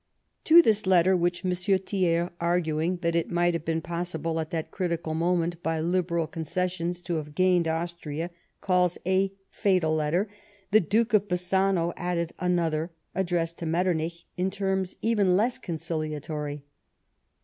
To this letter, which M. Thiers, arguing that it might have been possible at that critical moment by liberal con cessions to have gained Austria, calls " a fatal letter," the Duke of Bassano added another, addressed to Metternich in terms even less conciliatory.